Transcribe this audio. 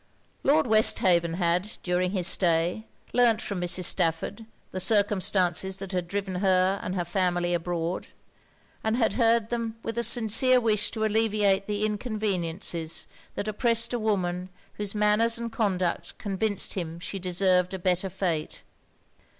Lord Westhaven had, during his stay, learnt from Mrs. Stafford the circumstances that had driven her and her family abroad; and had heard them with a sincere wish to alleviate the inconveniences that oppressed a woman whose manners and conduct convinced him she deserved a better fate.